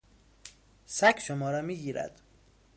سگ شما را میگیرد.